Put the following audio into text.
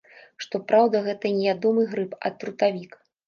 Што праўда, гэта не ядомы грыб, а трутавік.